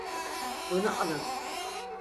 Bunu alın.